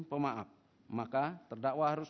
pemaaf maka terdakwa harus